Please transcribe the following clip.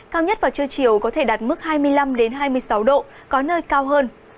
cao nhất vào trưa chiều có thể đạt mức hai mươi năm hai mươi sáu độ có nơi cao hơn